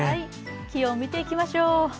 気温見ていきましょう。